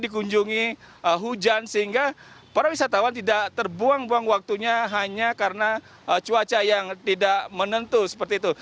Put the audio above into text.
dikunjungi hujan sehingga para wisatawan tidak terbuang buang waktunya hanya karena cuaca yang tidak menentu seperti itu